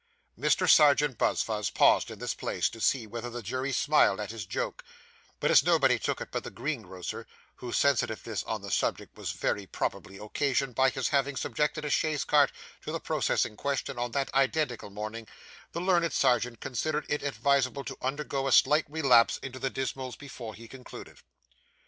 Mr. Serjeant Buzfuz paused in this place, to see whether the jury smiled at his joke; but as nobody took it but the greengrocer, whose sensitiveness on the subject was very probably occasioned by his having subjected a chaise cart to the process in question on that identical morning, the learned Serjeant considered it advisable to undergo a slight relapse into the dismals before he concluded.